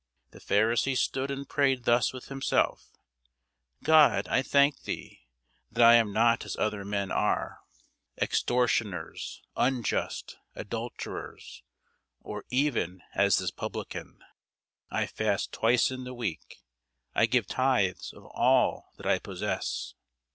The Pharisee stood and prayed thus with himself, God, I thank thee, that I am not as other men are, extortioners, unjust, adulterers, or even as this publican. I fast twice in the week, I give tithes of all that I possess.